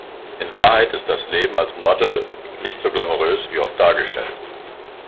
In Wahrheit ist das Leben als Model nicht so glamourös wie oft dargestellt.